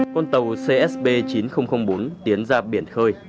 con tàu csb chín nghìn bốn tiến ra biển khơi